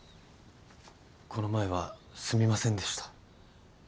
この前はすみませんでした。